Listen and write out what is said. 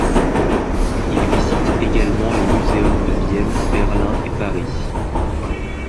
Il visite également les muséums de Vienne, Berlin et Paris.